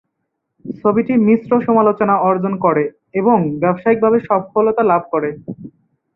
ছবিটি মিশ্র সমালোচনা অর্জন করে এবং ব্যবসায়িকভাবে সফলতা লাভ করে।